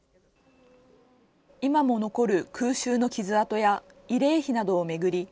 今も残る空襲の傷痕や慰霊碑などを巡り